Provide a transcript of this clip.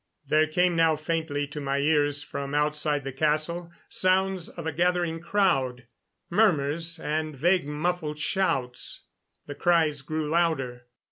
There came now faintly to my ears from outside the castle sounds of a gathering crowd murmurs and vague muffled shouts. The cries grew louder.